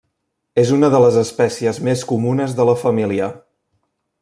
És una de les espècies més comunes de la família.